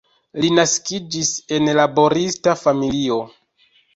Li naskiĝis en laborista familio.